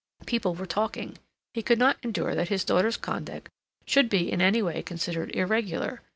People were talking. He could not endure that his daughter's conduct should be in any way considered irregular.